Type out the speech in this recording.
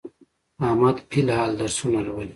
احمد فل الحال درسونه لولي.